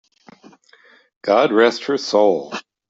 God rest her soul!